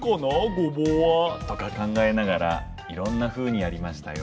ごぼうは、とか考えながら、いろんなふうにやりましたよ。